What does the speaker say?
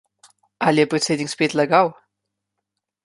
Ali je predsednik spet lagal?